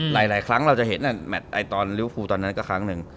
หลายครั้งเราจะเห็นแมทตอนริวฟูตอนนั้นก็ครั้งหนึ่ง